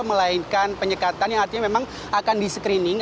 melainkan penyekatan yang artinya memang akan di screening